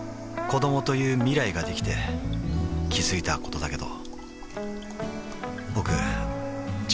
子どもという未来ができて気づいたことだけど